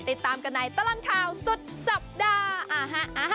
ติดตามกันในตลาดข่าวสุดสัปดาห์อ่าฮะอ่าฮะ